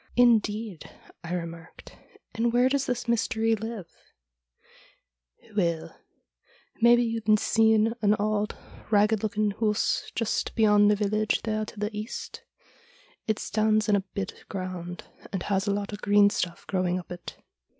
' Indeed !' I remarked ;' and where does this Mystery live ?'' Weel, maybe you've seen an auld ragged looking hoose just beyond the village there to the east ? It stands in a bit ground, and has a lot of green stuff growing up it.'